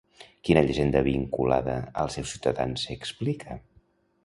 Quina llegenda vinculada als seus ciutadans s'explica?